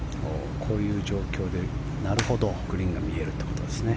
こういう状況でグリーンが見えるということですね。